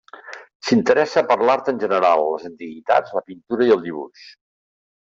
S'interessa per l'art en general, les antiguitats, la pintura i el dibuix.